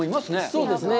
そうですね。